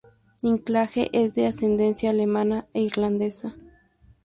Dinklage es de ascendencia alemana e irlandesa.